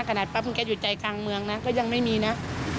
กระดาษปั๊มแก๊สอยู่ใจกลางเมืองนะก็ยังไม่มีนะ